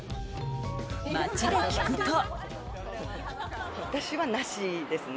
街で聞くと。